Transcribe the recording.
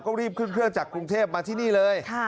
ก็รีบขึ้นเครื่องจากกรุงเทพมาที่นี่เลย